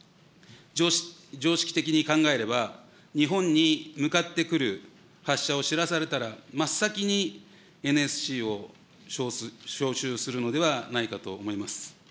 常識的に考えれば、日本に向かってくる、発射を知らされたら、真っ先にＮＳＣを招集するのではないかと思います。